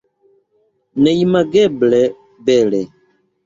Neimageble bele.